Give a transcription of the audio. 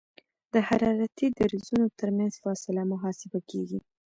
د حرارتي درزونو ترمنځ فاصله محاسبه کیږي